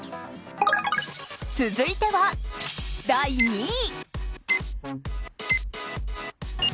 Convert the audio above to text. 続いては、第２位。